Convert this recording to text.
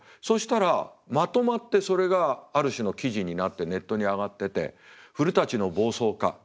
そしたらまとまってそれがある種の記事になってネットに上がってて「古の暴走か！